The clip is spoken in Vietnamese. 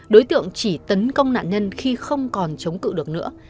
đối tượng chỉ tấn công nạn nhân khi không còn chống cự được nữa